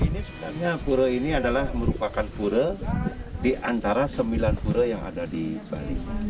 ini sebenarnya pura ini adalah merupakan pura di antara sembilan pura yang ada di bali